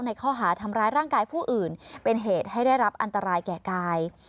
ในข้อหาทำร้ายร่างกายผู้อื่นเป็นเหตุให้ได้รับอันตรายแก่กาย